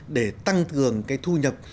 để tăng cường cái thu nhập